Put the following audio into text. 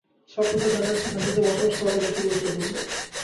সত্যতা জানার চেয়ে শান্তিতে বসবাস করাটা বেশি গুরুত্বপূর্ণ।